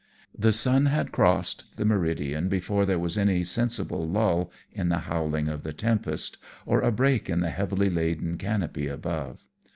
The sun had crossed the meridian before there was any sensible lull in the howling of the tempest, or a break in the heavily laden canopy above.